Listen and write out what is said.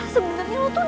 sebenernya lo tuh